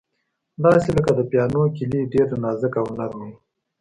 داسې لکه د پیانو کیلۍ، ډېره نازکه او نرمه یې.